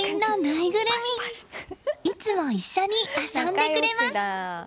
いつも一緒に遊んでくれます。